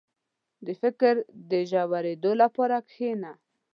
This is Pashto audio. • د فکر د ژورېدو لپاره کښېنه.